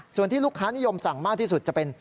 ส่วนที่ลูกค้านิยมสั่งมากที่สุดจะเป็น